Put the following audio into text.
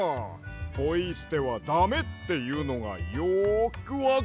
ポイすてはだめっていうのがよくわかるわ。